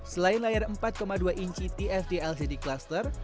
selain layar empat dua inci tfd lcd cluster